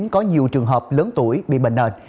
có nhiều trường hợp lớn tuổi bị bệnh nền